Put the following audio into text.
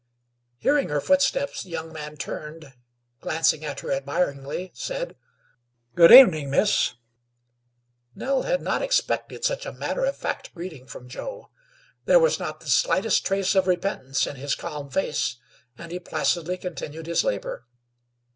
Hearing her footsteps, the young man turned, glancing at her admiringly, said: "Good evening, Miss." Nell had not expected such a matter of fact greeting from Joe. There was not the slightest trace of repentance in his calm face, and he placidly continued his labor.